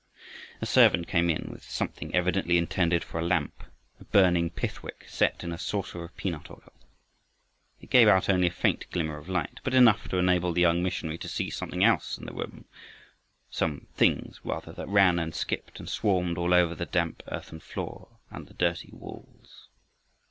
A servant came in with something evidently intended for a lamp a burning pith wick set in a saucer of peanut oil. It gave out only a faint glimmer of light, but enough to enable the young missionary to see something else in the room, some THINGS rather, that ran and skipped and swarmed all over the damp earthen floor and the dirty walls.